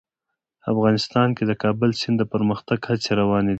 افغانستان کې د د کابل سیند د پرمختګ هڅې روانې دي.